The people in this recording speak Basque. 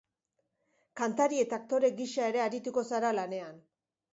Kantari eta aktore gisa ere arituko zara lanean.